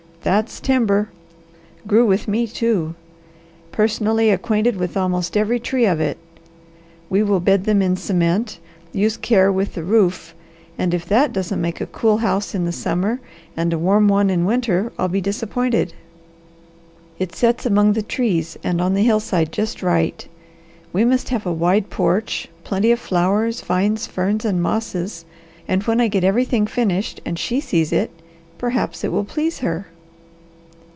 That's timber! Grew with me, too. Personally acquainted with almost every tree of it. We will bed them in cement, use care with the roof, and if that doesn't make a cool house in the summer, and a warm one in winter, I'll be disappointed. It sets among the trees, and on the hillside just right. We must have a wide porch, plenty of flowers, vines, ferns, and mosses, and when I get everything finished and she sees it perhaps it will please her."